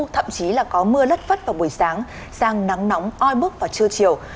thậm chí là có mưa lất vất vào buổi sáng sang nắng nóng oi bức vào trưa chiều